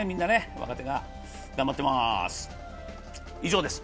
若手が頑張ってます。